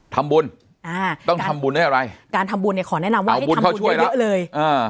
ทำบุญอ่าต้องทำบุญด้วยอะไรการทำบุญเนี่ยขอแนะนำว่าให้บุญช่วยเยอะเลยอ่า